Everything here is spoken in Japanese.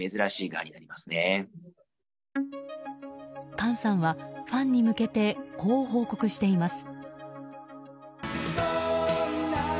ＫＡＮさんはファンに向けてこう報告しています。